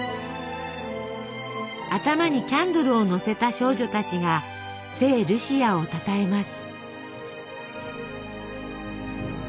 頭にキャンドルをのせた少女たちが聖ルシアをたたえます。